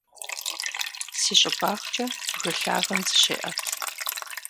Си щӀыбагъкӀэ бгы лъагэм зыщеӀэт.